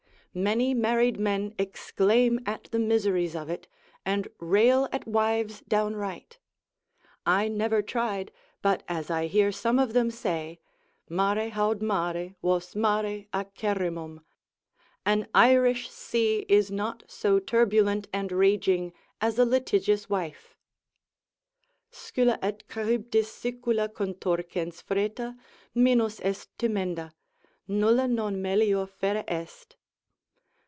many married men exclaim at the miseries of it, and rail at wives downright; I never tried, but as I hear some of them say, Mare haud mare, vos mare acerrimum, an Irish Sea is not so turbulent and raging as a litigious wife. Scylla et Charybdis Sicula contorquens freta, Minus est timenda, nulla non melior fera est.